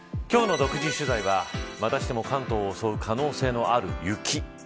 今日の独自取材はまたしても関東を襲う可能性のある雪。